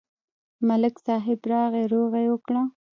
ملک صاحب راغی، روغه یې وکړه.